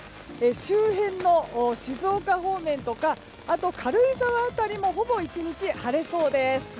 周辺の静岡方面とか軽井沢辺りもほぼ１日晴れそうです。